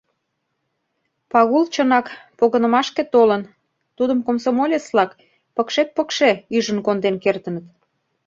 Пагул, чынак, погынымашке толын, тудым комсомолец-влак пыкше-пыкше ӱжын конден кертыныт.